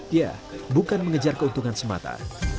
dia bukan mengejar keuntungan semata